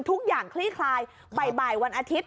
ทุกอย่างคลี่คลายบ่ายวันอาทิตย์